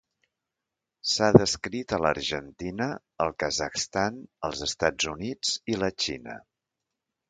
S'ha descrit a l'Argentina, el Kazakhstan, els Estats Units i la Xina.